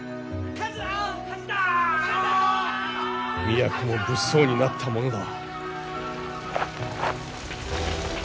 都も物騒になったものだ。